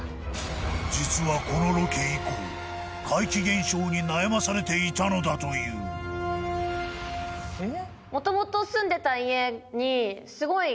実はこのロケ以降怪奇現象に悩まされていたのだというえっ？